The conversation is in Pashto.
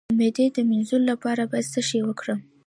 د معدې د مینځلو لپاره باید څه شی وکاروم؟